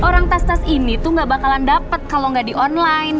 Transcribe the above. orang tas tas ini tuh gak bakalan dapet kalo gak di online